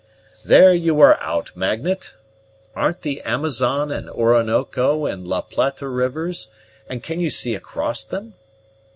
"There you are out, Magnet. Aren't the Amazon and Oronoco and La Plata rivers, and can you see across them?